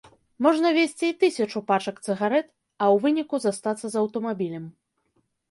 Можна везці і тысячу пачак цыгарэт, а ў выніку застацца з аўтамабілем.